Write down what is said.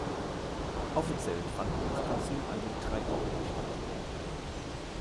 Offiziell fand nun das Konzil an den drei Orten statt.